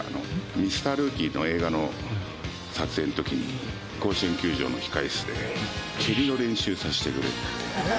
ミスター・ルーキーの映画の撮影のときに、甲子園球場の控え室で、蹴りの練習させてくれって。